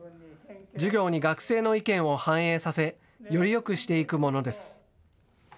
授業に学生の意見を反映させよりよくしていくものです。